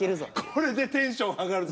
これでテンション上がるぞ？